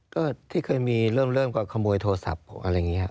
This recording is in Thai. ก็ที่เคยมีเริ่มก็ขโมยโทรศัพท์อะไรอย่างนี้ครับ